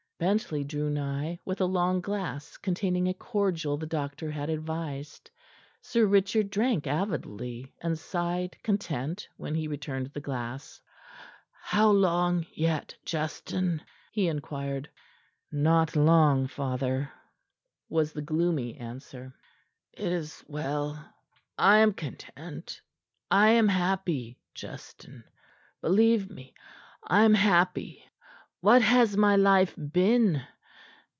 Bentley drew nigh with a long glass containing a cordial the doctor had advised. Sir Richard drank avidly, and sighed content when he returned the glass. "How long yet, Justin?" he inquired. "Not long, father," was the gloomy answer. "It is well. I am content. I am happy, Justin. Believe me, I am happy. What has my life been?